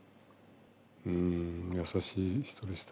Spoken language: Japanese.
うん優しい人でした。